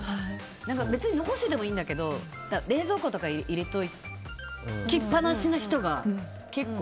別に残しておいてもいいんだけど、冷蔵庫とか入れて置きっぱなしの人が結構。